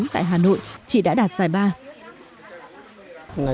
tại hà nội chỉ đã đạt giải ba